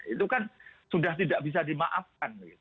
itu kan sudah tidak bisa dimaafkan